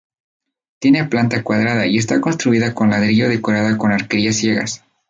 Tiene planta cuadrada y está construida con ladrillo decorada con arquerías ciegas.